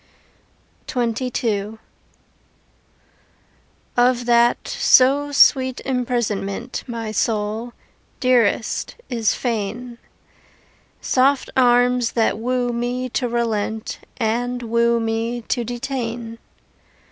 XXII Of that so sweet imprisonment My soul, dearest, is fain Soft arms that woo me to relent And woo me to detain.